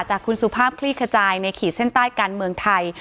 จากคุณสุภาพคลี่ขจายในขีดเส้นใต้การเมืองไทย